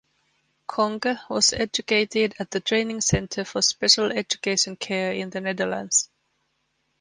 Conker was educated at the Training Center for Special Education Care in the Netherlands.